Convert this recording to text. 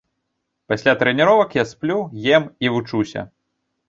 Пасля трэніровак я сплю, ем і вучуся.